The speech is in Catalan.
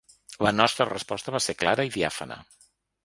La nostra resposta va ser clara i diàfana.